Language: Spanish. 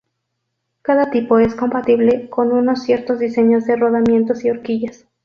Cada tipo es compatible con unos ciertos diseños de rodamientos y horquillas.